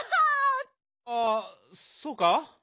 あそうか？